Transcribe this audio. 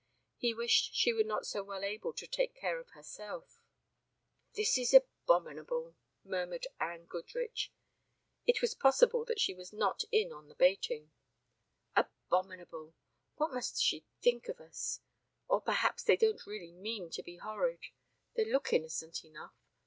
He wished she were not so well able to take care of herself. "But this is abominable," murmured Anne Goodrich. It was possible that she was not in on the baiting. "Abominable. What must she think of us? Or, perhaps they don't really mean to be horrid. They look innocent enough.